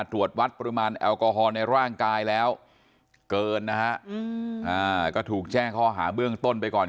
ตรวจวัดปริมาณแอลกอฮอล์ในร่างกายแล้วเกินนะฮะก็ถูกแจ้งข้อหาเบื้องต้นไปก่อน